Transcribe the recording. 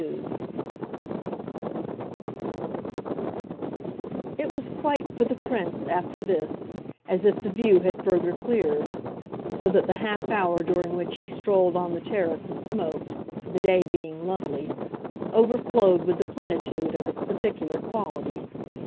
XXII It was quite, for the Prince, after this, as if the view had further cleared; so that the half hour during which he strolled on the terrace and smoked the day being lovely overflowed with the plenitude of its particular quality.